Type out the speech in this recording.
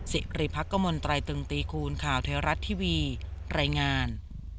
สิริพักกมลตรายตึงตีคูณข่าวเทวรัฐทีวีรายงาน